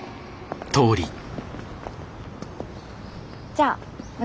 じゃあ私